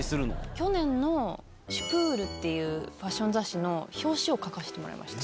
去年の『ＳＰＵＲ』っていうファッション雑誌の表紙を描かせてもらいました。